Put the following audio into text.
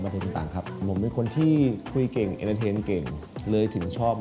ผมทาร์โอครับ